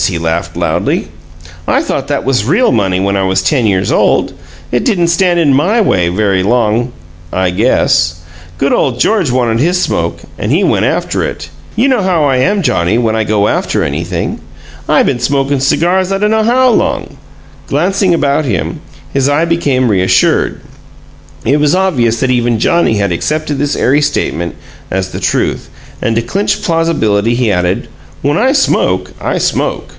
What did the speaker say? he laughed loudly. "I thought that was real money when I was ten years old! It didn't stand in MY way very long, I guess! Good ole George wanted his smoke, and he went after it! You know how I am, Johnnie, when I go after anything. I been smokin' cigars I dunno how long!" Glancing about him, his eye became reassured; it was obvious that even Johnnie had accepted this airy statement as the truth, and to clinch plausibility he added: "When I smoke, I smoke!